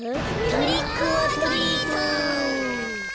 トリックオアトリート！